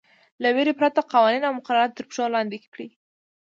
له وېرې پرته قوانین او مقررات تر پښو لاندې کړي.